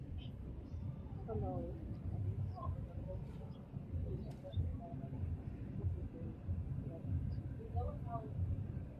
The following is a list of the presidential candidates supported by the Citizen Left.